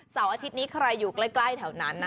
อาทิตย์นี้ใครอยู่ใกล้แถวนั้น